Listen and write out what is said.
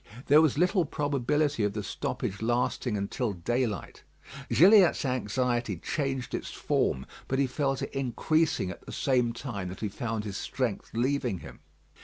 There was little probability of the stoppage lasting until daylight. Gilliatt's anxiety changed its form; but he felt it increasing at the same time that he found his strength leaving him.